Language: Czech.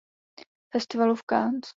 Festivalu v Cannes.